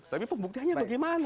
tapi pembuktiannya bagaimana